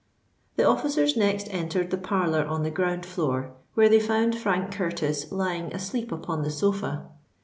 The officers next entered the parlour on the ground floor, where they found Frank Curtis lying asleep upon the sofa.